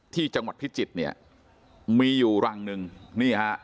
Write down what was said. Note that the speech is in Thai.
ที่จังหวัดพิจิตรเนี่ยมีอยู่รังหนึ่งนี่ฮะ